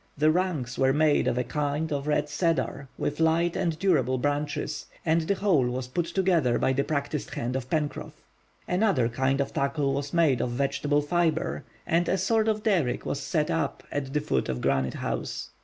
The rungs were made of a kind of red cedar, with light and durable branches; and the whole was put together by the practised hand of Pencroff. Another kind of tackle was made of vegetable fibre, and a sort of derrick was setup at the door of Granite House.